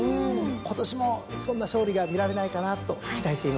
今年もそんな勝利が見られないかなと期待しています。